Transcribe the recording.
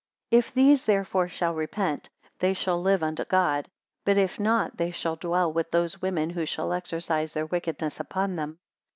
204 If these therefore shall repent, they shall live unto God; but if not, they shall dwell with those women, who shall exercise their wickedness upon them.